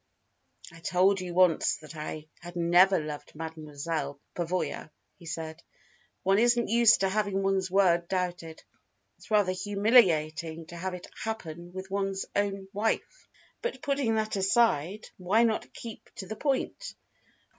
"I told you once that I had never loved Mademoiselle Pavoya," he said. "One isn't used to having one's word doubted. It's rather humiliating to have it happen with one's own wife. But putting that aside, why not keep to the point?